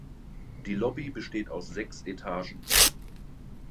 Die Lobby besteht aus sechs Etagen.